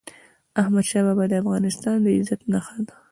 احمدشاه بابا د افغانستان د عزت نښه ده.